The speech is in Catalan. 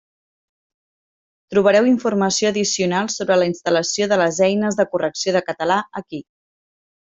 Trobareu informació addicional sobre la instal·lació de les eines de correcció de català aquí.